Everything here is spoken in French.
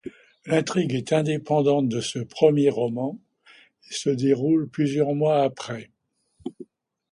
L'intrigue est indépendante de ce premier roman, et se déroule plusieurs mois après.